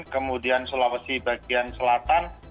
kemudian sulawesi bagian selatan